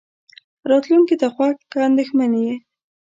راتلونکې ته خوښ که اندېښمن يې.